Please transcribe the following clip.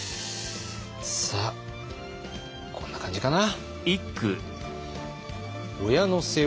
さあこんな感じかな？